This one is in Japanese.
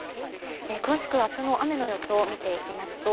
詳しく明日の雨の予想を見ていきますと